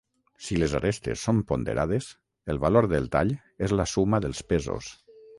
Si les arestes són ponderades, el valor del tall és la suma dels pesos.